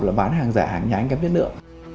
là bán hàng giả hàng nhái các biết nữa